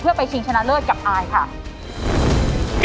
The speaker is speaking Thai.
เพื่อไปชิงชนะเลิศกับอายค่ะ